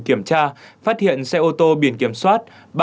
kiểm tra phát hiện xe ô tô biển kiểm soát